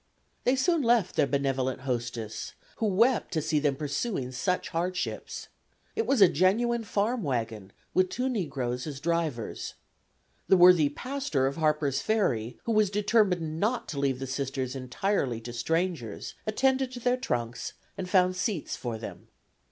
They soon left their benevolent hostess, who wept to see them pursuing such hardships. It was a genuine farm wagon, with two negroes as drivers. The worthy pastor of Harper's Ferry, who was determined not to leave the Sisters entirely to strangers, attended to their trunks and found seats for them.